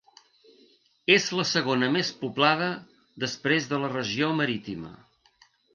És la segona més poblada després de la regió Marítima.